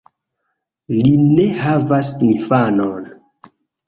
Li ne havas infanon.